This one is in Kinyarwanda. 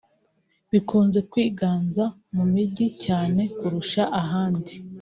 bikunze kwiganza mu mijyi cyane kurusha ahandi